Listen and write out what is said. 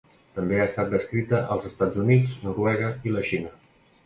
També ha estat descrita als Estats Units, Noruega i la Xina.